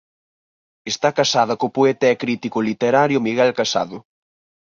Esta casada co poeta e crítico literario Miguel Casado.